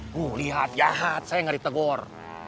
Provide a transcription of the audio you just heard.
kuh lihat jahat saya ngeri tegor